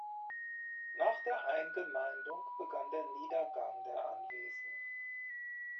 Nach der Eingemeindung begann der Niedergang der Anwesen.